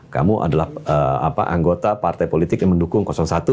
kamu adalah anggota partai politik yang mendukung satu